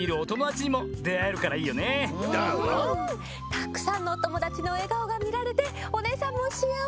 たくさんのおともだちのえがおがみられておねえさんもしあわせ！